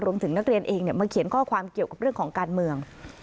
นักเรียนเองมาเขียนข้อความเกี่ยวกับเรื่องของการเมือง